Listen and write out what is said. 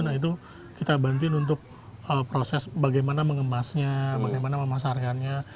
nah itu kita bantuin untuk proses bagaimana mengemasnya bagaimana memasarkannya